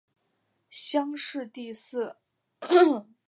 乡试第四。